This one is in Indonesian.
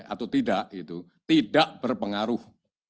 atau tidak tidak berpengaruh